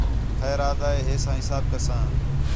خیر آہدا ہے، ہے سا حساب کساں